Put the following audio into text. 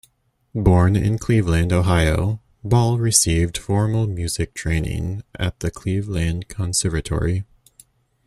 Born in Cleveland, Ohio, Ball received formal music training at the Cleveland Conservatory.